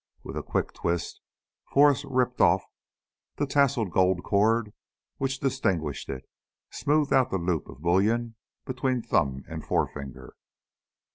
With a quick twist, Forrest ripped off the tassled gold cord which distinguished it, smoothing out the loop of bullion between thumb and forefinger.